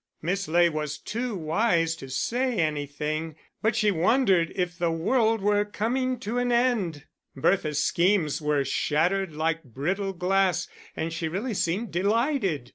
Miss Ley was too wise to say anything, but she wondered if the world were coming to an end; Bertha's schemes were shattered like brittle glass, and she really seemed delighted.